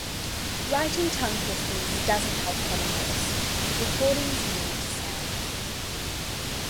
Writing tongue twisters doesn't help Common Voice. Recordings need to sound natural.